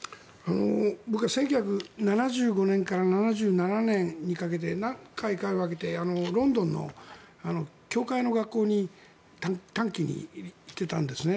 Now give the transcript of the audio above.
僕は１９７５年から７７年にかけて何回かに分けてロンドンの教会の学校に短期に行っていたんですね。